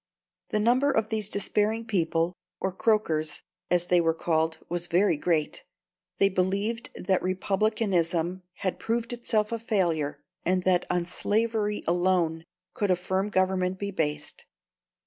The number of these despairing people or Croakers, as they were called was very great; they believed that Republicanism had proved itself a failure, and that on slavery alone could a firm government be based.